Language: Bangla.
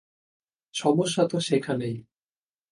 সমস্যা তো সেখানেই।